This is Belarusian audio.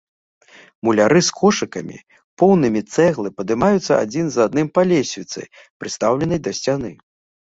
Муляры з кошыкамі, поўнымі цэглы падымаюцца адзін за адным па лесвіцы, прыстаўленай да сцяны.